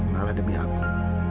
malah demi aku